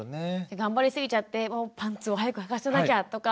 頑張りすぎちゃってもうパンツを早くはかせなきゃとか。